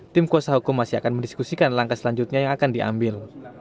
tim kuasa hukum masih akan mendiskusikan langkah selanjutnya yang akan diambil